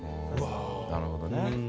なるほどね。